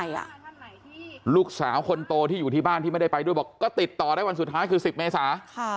ลูกสาวคนโตที่อยู่ที่บ้านที่ไม่ได้ไปด้วยบอกก็ติดต่อได้วันสุดท้ายคือ๑๐เมษา